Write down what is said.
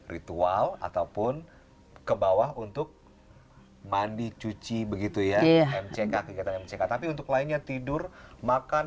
ritual ataupun ke bawah untuk mandi cuci begitu ya mck kegiatan mck tapi untuk lainnya tidur makan